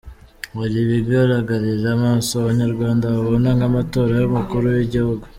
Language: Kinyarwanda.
Hari ibigaragarira amaso abanyarwanda babona nk’amatora y’umukuru w’igihugu.